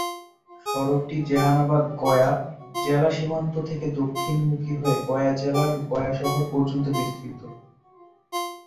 সড়কটি জেহানাবাদ-গয়া জেলা সীমান্ত থেকে দক্ষিণমুখী হয়ে গয়া জেলার গয়া শহর পর্যন্ত বিস্তৃত।